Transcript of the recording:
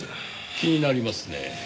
気になりますねぇ。